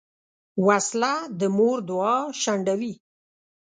وسله د مور دعا شنډوي